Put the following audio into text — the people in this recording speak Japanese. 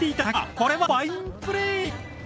これはファインプレー。